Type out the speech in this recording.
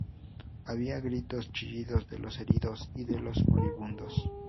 Había gritos, chillidos de los heridos y de los moribundos.